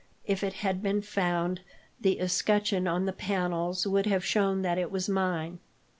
If it had been found, the escutcheon on the panels would have shown that it was mine."